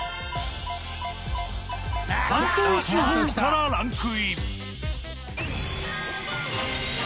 関東地方からランクイン。